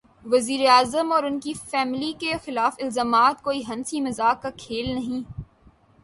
وزیر اعظم اور ان کی فیملی کے خلاف الزامات کوئی ہنسی مذاق کا کھیل نہیں۔